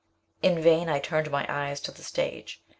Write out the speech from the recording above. In vain I turned my eyes to the stage.